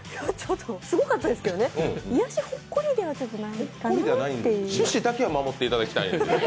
すごかったですけど癒やし、ほっこりではないかな趣旨だけは守っていただきたいです。